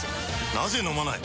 なぜ飲まない？